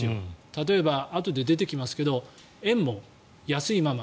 例えば、あとで出てきますけど円も安いまま。